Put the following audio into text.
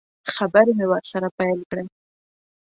خبرې مې ورسره پیل کړې.